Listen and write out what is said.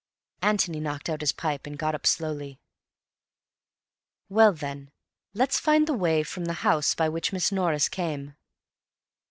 Antony knocked out his pipe and got up slowly. "Well then, let's find the way from the house by which Miss Norris came."